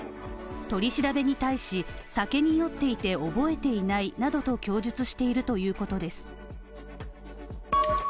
取り調べに対し、酒に酔っていて覚えていないなどと供述しているということです。